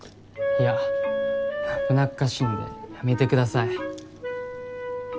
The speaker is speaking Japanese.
いや危なっかしいんでやめてください。